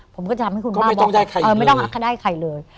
ผมก็จะทำให้คุณป้าบอกไม่ต้องอักขได้ใครเลย